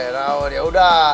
cek apa kenon